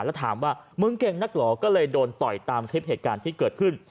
แล้วถามว่ามึงเก่งนักเหรอก็เลยโดนต่อยตามคลิปเหตุการณ์ที่เกิดขึ้น